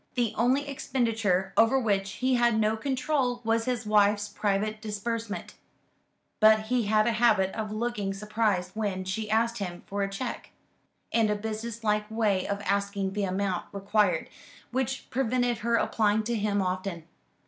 The only expenditure over which he had no control was his wife's private disbursement; but he had a habit of looking surprised when she asked him for a cheque, and a business like way of asking the amount required, which prevented her applying to him often.